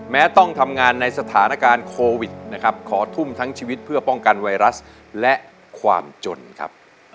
ต้องทำงานในสถานการณ์โควิดนะครับขอทุ่มทั้งชีวิตเพื่อป้องกันไวรัสและความจนครับ